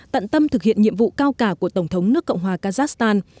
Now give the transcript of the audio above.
tận tâm thực hiện nhiệm vụ cao cả của tổng thống nước cộng hòa kazakhstan